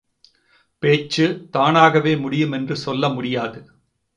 பேச்சு, தானாகவே முடியுமென்று சொல்ல முடியாது.